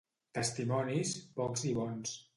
Testimonis, pocs i bons.